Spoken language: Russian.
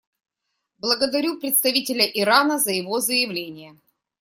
Благодарю представителя Ирана за его заявление.